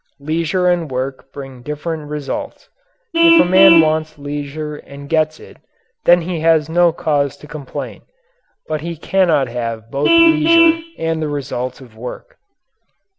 Leisure and work bring different results. If a man wants leisure and gets it then he has no cause to complain. But he cannot have both leisure and the results of work.